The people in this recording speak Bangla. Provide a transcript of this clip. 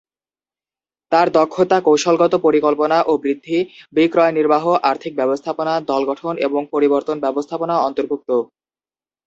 তার দক্ষতা কৌশলগত পরিকল্পনা ও বৃদ্ধি, বিক্রয় নির্বাহ, আর্থিক ব্যবস্থাপনা, দল গঠন এবং পরিবর্তন ব্যবস্থাপনা অন্তর্ভুক্ত।